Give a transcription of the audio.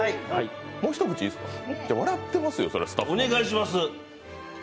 もう一口いいですか、笑ってますよ。